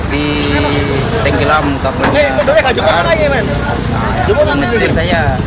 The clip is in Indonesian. di tenggelam kapal ini ini setir saya